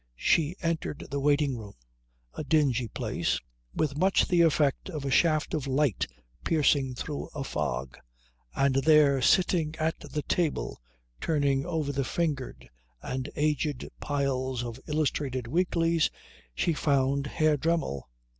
She entered the waiting room, a dingy place, with much the effect of a shaft of light piercing through a fog; and there, sitting at the table, turning over the fingered and aged piles of illustrated weeklies, she found Herr Dremmel.